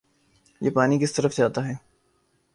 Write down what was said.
یہ پانی کس طرف جاتا ہے